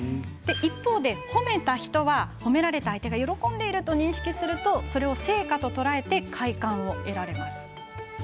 一方、褒めた人は褒められた相手が喜んでいると認識すると、それを成果と捉え快感を得られます。